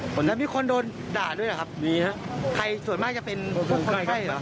วันนั้นมีคนโดนด่าด้วยเหรอครับมีฮะใครส่วนมากจะเป็นคนไข้เหรอ